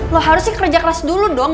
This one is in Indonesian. lo harus kerja keras dulu dong